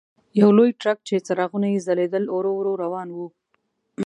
یو لوی ټرک چې څراغونه یې ځلېدل ورو ورو روان و.